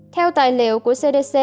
theo tài liệu của cdc